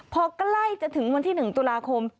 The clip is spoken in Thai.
พอใกล้จะถึงมันที่หนึ่งตุลาคม